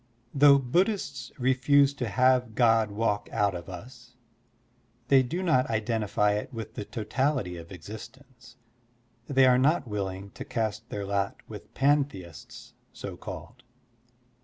Though Buddhists refuse to have God walk out of us, they do not identify it with the totality of exist ence, they are not willing to cast their lot with pantheists so called.